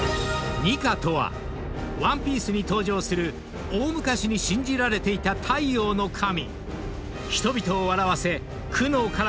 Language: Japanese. ［ニカとは『ＯＮＥＰＩＥＣＥ』に登場する大昔に信じられていた太陽の神］